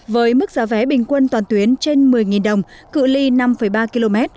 với mức giá vé bình quân toàn tuyến trên một mươi đồng cự li năm ba km